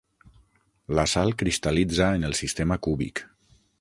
La sal cristal·litza en el sistema cúbic.